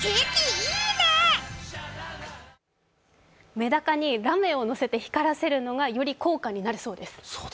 めだかにラメを載せて光らせるのがより高価になるそうです。